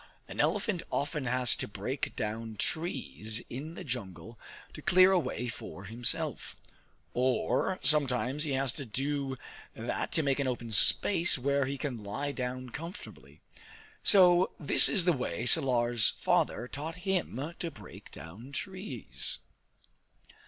An elephant often has to break down trees in the jungle to clear a way for himself; or sometimes he has to do that to make an open space where he can lie down comfortably. So this is the way Salar's father taught him to break down trees.